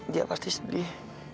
dia pasti sedih